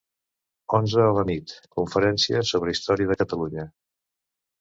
Onze a la nit: conferència sobre història de Catalunya.